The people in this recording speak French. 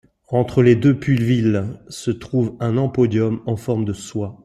Entre les deux pulvilles se trouve un empodium en forme de soie.